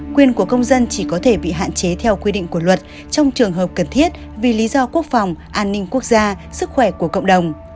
quyền của công dân chỉ có thể bị hạn chế theo quy định của luật trong trường hợp cần thiết vì lý do quốc phòng an ninh quốc gia sức khỏe của cộng đồng